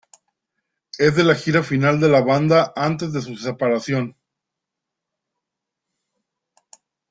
Es de la gira final de la banda, antes de su separación.